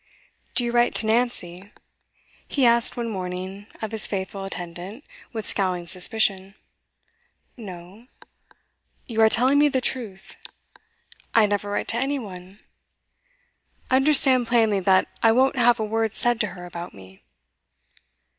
'Do you write to Nancy?' he asked one morning of his faithful attendant, with scowling suspicion. 'No.' 'You are telling me the truth?' 'I never write to any one.' 'Understand plainly that I won't have a word said to her about me.